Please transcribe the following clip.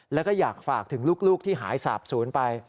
แล้วก็อยากฝากถึงลูกที่หายสาบศูนย์ไป